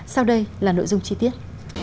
sau đây là nội dung chi tiết